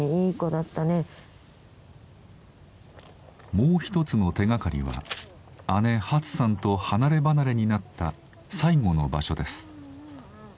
もう一つの手がかりは姉ハツさんと離れ離れになった最後の場所です。